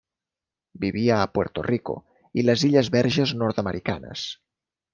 Vivia a Puerto Rico i les Illes Verges Nord-americanes.